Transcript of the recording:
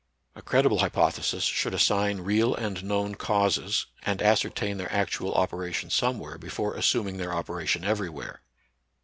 A credible hy pothesis should assign real and known causes, and ascertain their actual operation somewhere before assuming their operation everywhere.